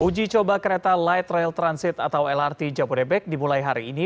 uji coba kereta light rail transit atau lrt jabodebek dimulai hari ini